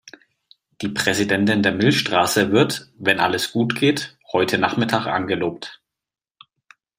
Die Präsidentin der Milchstraße wird, wenn alles gut geht, heute Nachmittag angelobt.